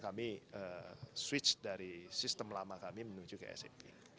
kami switch dari sistem lama kami menuju ke smp